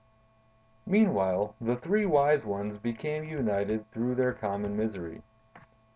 "Meanwhile, the three wise ones became united through their common misery.